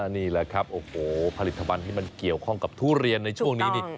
นี่แหละครับโอ้โหผลิตภัณฑ์ที่มันเกี่ยวข้องกับทุเรียนในช่วงนี้นี่